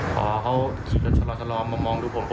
พอเขาขี่รถสะลอมพบมองดูผม